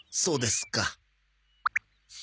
そうですか。